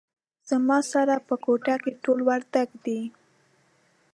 زما سره په کوټه کې ټول وردګ دي